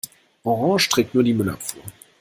Orange trägt nur die Müllabfuhr.